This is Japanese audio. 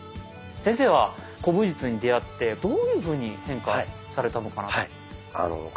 先生は古武術に出会ってどういうふうに変化されたのかなと？